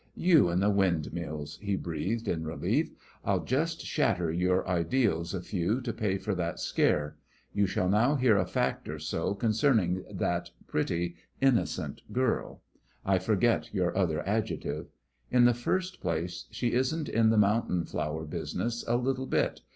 "You and the windmills," he breathed, in relief. "I'll just shatter your ideals a few to pay for that scare. You shall now hear a fact or so concerning that pretty, innocent girl I forget your other adjective. In the first place, she isn't in the mountain flower business a little bit.